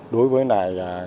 đối với này